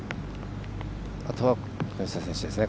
あとは、木下選手ですね。